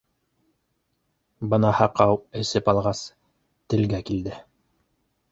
Бына һаҡау, эсеп алғас, телгә килде: